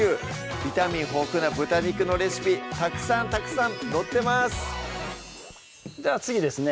ビタミン豊富な豚肉のレシピたくさんたくさん載ってますじゃあ次ですね